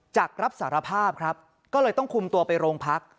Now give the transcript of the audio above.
จากรับสารภาพครับก็เลยต้องคุมตัวไปโรงพัก